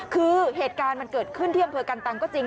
คือเหตุการณ์มันเกิดขึ้นที่อำเภอกันตังก็จริง